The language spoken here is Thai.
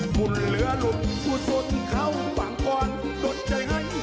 คุณเหลือหลุมอุทสุนเข้าฝั่งความโดดใจให้